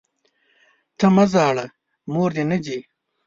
ته مه ژاړه ، موردي نه ځي!